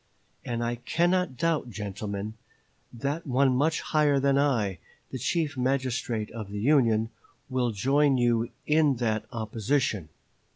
And I cannot doubt, gentlemen, that one much higher than I, the Chief Magistrate of the Union, will join you in that opposition."